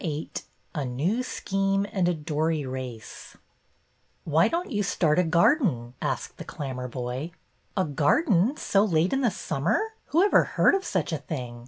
VIII A NEW SCHEME AND A DORY RACE " THY don't you start a garden? " asked the Clammerboy. A garden so late in the summer ? Who ever heard of such a thing